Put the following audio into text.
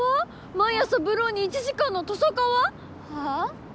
毎朝ブローに１時間のトサカは？はあ？